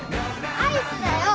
アイスだよ！